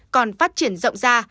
còn phát triển rộng ra